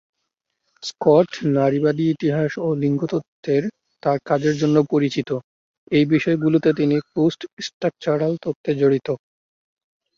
Scott নারীবাদী ইতিহাস ও লিঙ্গ তত্ত্বের তার কাজের জন্য পরিচিত, এই বিষয়গুলোতে তিনি পোস্ট স্ট্রাকচারাল তত্ত্বে জড়িত।